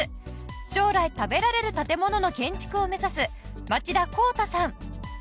将来食べられる建物の建築を目指す町田紘太さん。